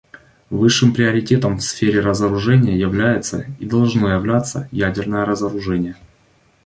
Высшим приоритетом в сфере разоружения является и должно оставаться ядерное разоружение.